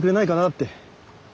って。